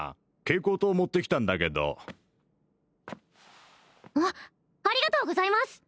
蛍光灯持ってきたんだけどあっありがとうございます